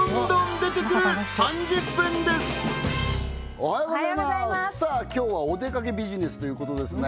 おはようございますさあ今日はおでかけビジネスということですね